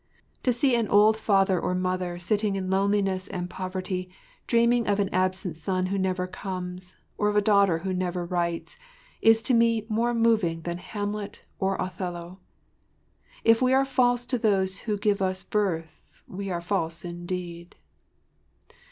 To see an old father or mother sitting in loneliness and poverty dreaming of an absent son who never comes, of a daughter who never writes, is to me more moving than Hamlet or Othello. If we are false to those who gave us birth we are false indeed.